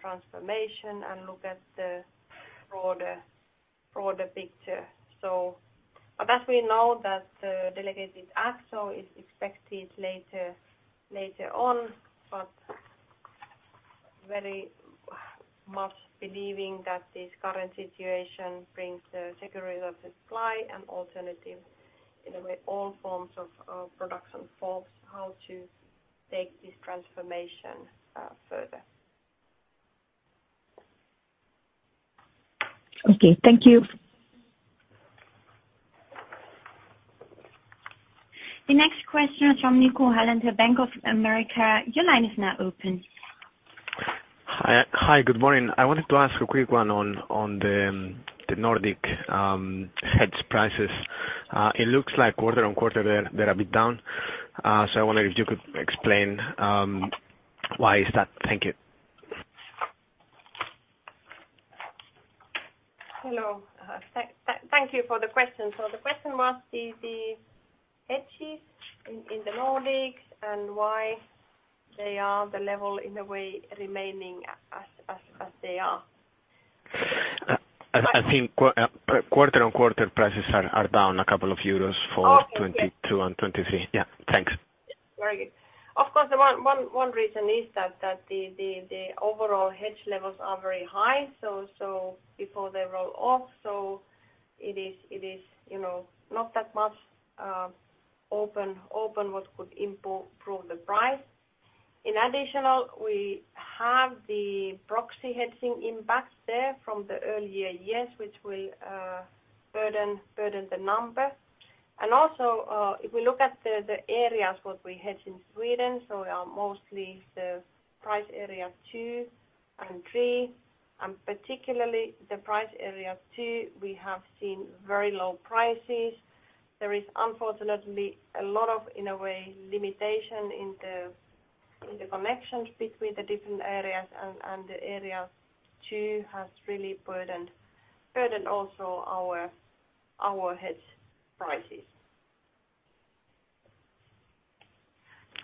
transformation and look at the broader picture. That we know that the delegated act, so it's expected later on, but very much believing that this current situation brings the security of the supply and alternative, in a way, all forms of production forms, how to take this transformation further. Okay, thank you. The next question is from Nico Lander, Bank of America. Your line is now open. Hi. Hi, good morning. I wanted to ask a quick one on the Nordic hedge prices. It looks like quarter-on-quarter they're a bit down. So I wonder if you could explain why is that? Thank you. Hello. Thank you for the question. The question was the hedges in the Nordics and why they are the level in a way remaining as they are. I think quarter-over-quarter prices are down a couple of euros for- Okay. 2022 and 2023. Yeah, thanks. Very good. Of course, one reason is that the overall hedge levels are very high, so before they roll off, it is, you know, not that much open. What could improve the price. In addition, we have the proxy hedging impacts from the earlier years, which will burden the number. Also, if we look at the areas what we hedge in Sweden, so are mostly the price area two and three, and particularly the price area two, we have seen very low prices. There is unfortunately a lot of, in a way, limitation in the connections between the different areas, and the area two has really burdened also our hedge prices.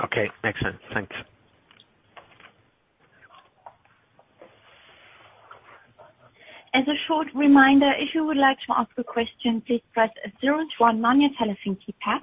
Okay. Makes sense. Thanks. As a short reminder, if you would like to ask a question, please press zero to join on your telephone keypad.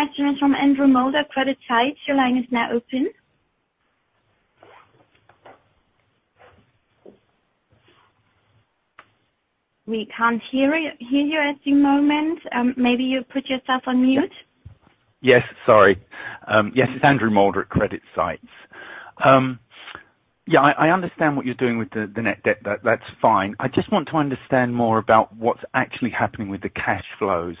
The next question is from Andrew Moulder, CreditSights. Your line is now open. We can't hear you at the moment. Maybe you put yourself on mute. Yes, sorry. Yes, it's Andrew Moulder at CreditSights. Yeah, I understand what you're doing with the net debt. That's fine. I just want to understand more about what's actually happening with the cash flows.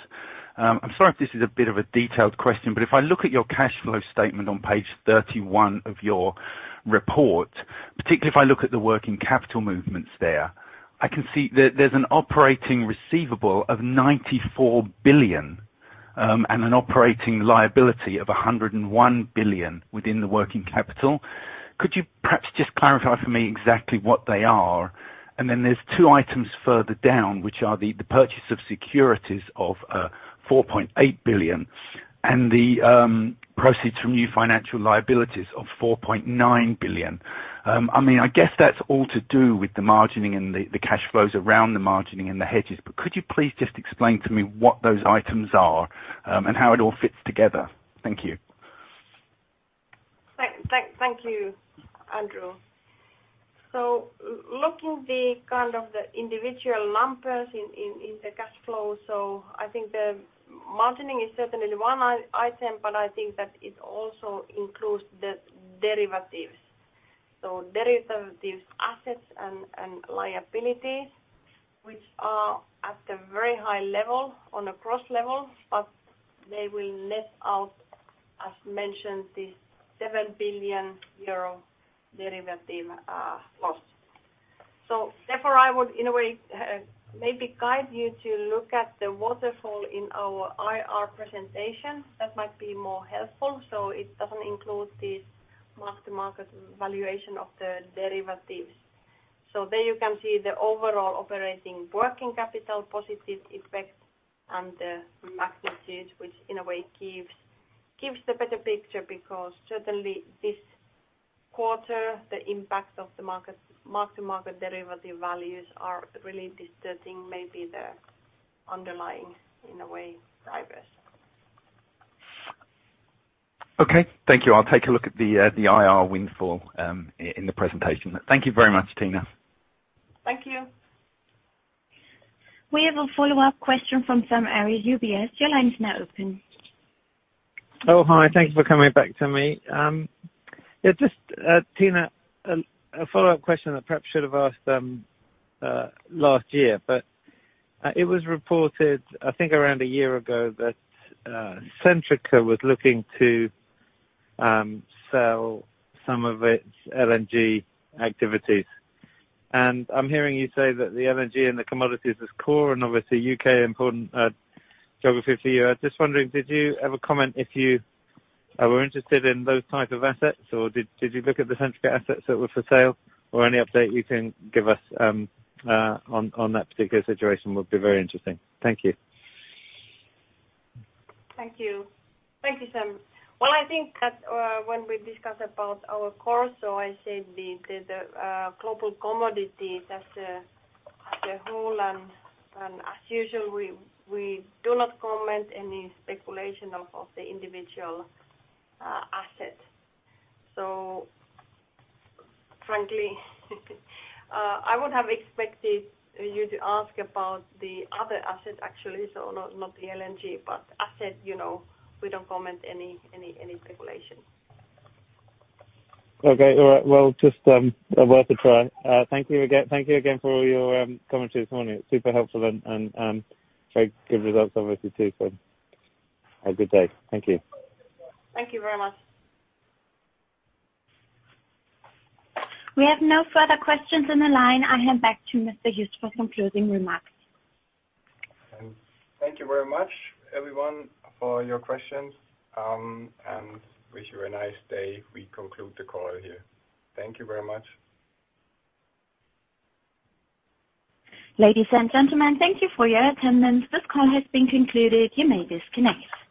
I'm sorry if this is a bit of a detailed question, but if I look at your cash flow statement on page 31 of your report, particularly if I look at the working capital movements there, I can see there's an operating receivable of 94 billion and an operating liability of 101 billion within the working capital. Could you perhaps just clarify for me exactly what they are? There's two items further down, which are the purchase of securities of 4.8 billion and the proceeds from new financial liabilities of 4.9 billion. I mean, I guess that's all to do with the margining and the cash flows around the margining and the hedges, but could you please just explain to me what those items are, and how it all fits together? Thank you. Thank you, Andrew. Looking at the kind of the individual numbers in the cash flow. I think the margining is certainly one item, but I think that it also includes the derivatives. Derivatives assets and liabilities, which are at a very high level on a gross level, but they will net out, as mentioned, this 7 billion euro derivative loss. Therefore, I would, in a way, maybe guide you to look at the waterfall in our IR presentation. That might be more helpful. It doesn't include this mark-to-market valuation of the derivatives. There you can see the overall operating working capital positive effect and the mark-to-market, which in a way gives the better picture because certainly this quarter, the impact of the markets, mark-to-market derivative values are really disturbing maybe the underlying, in a way, drivers. Okay. Thank you. I'll take a look at the IR windfall in the presentation. Thank you very much, Tiina. Thank you. We have a follow-up question from Sam Arie, UBS. Your line is now open. Oh, hi. Thank you for coming back to me. Tiina, a follow-up question that perhaps should have asked last year. It was reported, I think around a year ago that Centrica was looking to sell some of its LNG activities. I'm hearing you say that the LNG and the commodities is core and obviously U.K. important geography for you. I was just wondering, did you ever comment if you were interested in those type of assets, or did you look at the Centrica assets that were for sale? Any update you can give us on that particular situation would be very interesting. Thank you. Thank you. Thank you, Sam. Well, I think that when we discuss about our core, I said the global commodity as a whole, and as usual, we do not comment any speculation of the individual assets. Frankly, I would have expected you to ask about the other assets actually, not the LNG. But that's it, you know, we don't comment any speculation. Okay. All right. Well, just worth a try. Thank you again for all your commentary this morning. It's super helpful and very good results obviously too, have a good day. Thank you. Thank you very much. We have no further questions on the line. I hand back to Mr. Jost for concluding remarks. Thank you very much, everyone, for your questions, and wish you a nice day. We conclude the call here. Thank you very much. Ladies and gentlemen, thank you for your attendance. This call has been concluded. You may disconnect.